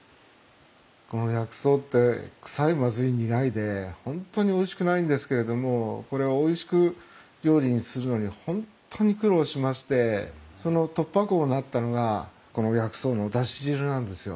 この薬草って臭いまずい苦いで本当においしくないんですけれどもこれをおいしく料理にするのに本当に苦労しましてその突破口になったのがこの薬草のだし汁なんですよ。